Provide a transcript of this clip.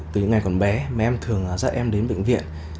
từ những ngày còn bé mẹ em thường dạy em đến bệnh viện